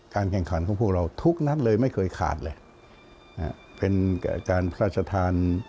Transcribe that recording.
การแข่งขันของพวกเราทุกนั้นเลยไม่เคยขาดเลย